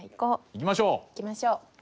行きましょう。